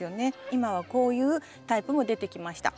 今はこういうタイプも出てきました。